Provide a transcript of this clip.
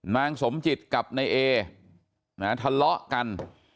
นางสมจิตกับนายเอทะเลาะกัน